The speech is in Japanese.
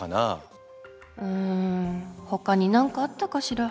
うんほかに何かあったかしら？